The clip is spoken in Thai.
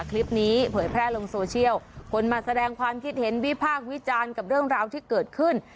เผยแพร่ลงโซเชียลคนมาแสดงความคิดเห็นวิพากษ์วิจารณ์กับเรื่องราวที่เกิดขึ้น